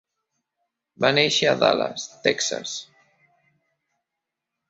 Va néixer a Dallas, Texas.